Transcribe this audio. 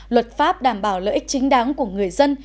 luật pháp đảm bảo lợi ích chính đáng của người dân